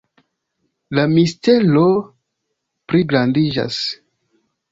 La mistero pligrandiĝas.